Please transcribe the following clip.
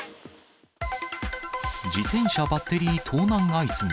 自転車バッテリー盗難相次ぐ。